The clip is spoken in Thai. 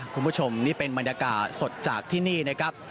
คุณผู้ชมนี่เป็นบรรยากาศสดจากที่นี่นะครับ